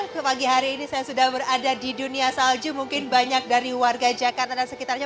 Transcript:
ke pagi hari ini saya sudah berada di dunia salju mungkin banyak dari warga jakarta dan sekitarnya